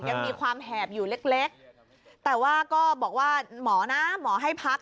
ยังมีความแหบอยู่เล็กแต่ว่าก็บอกว่าหมอนะหมอให้พัก